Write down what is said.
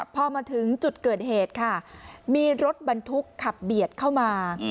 พอมาถึงจุดเกิดเหตุค่ะมีรถบรรทุกขับเบียดเข้ามา